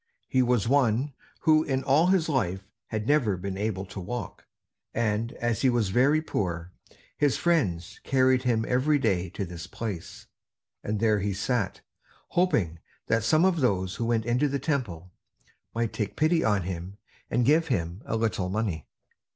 He was one who in all his life had never been able to walk; and as he was very poor, his friends carried him every day to this place; and there he sat, hoping that some of those who went into the Temple might take pity on him, and give him a little money.